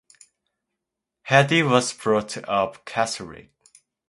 Hedy was brought up Catholic.